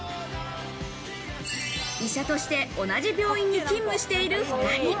医者として同じ病院に勤務している２人。